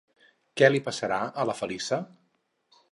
Què li passarà a la Feliça?